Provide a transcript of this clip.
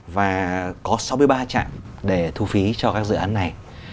và có sáu mươi ba trạm để thu phí cho các trạm thu phí